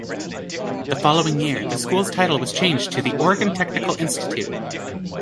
The following year, the school's title was changed to the Oregon Technical Institute.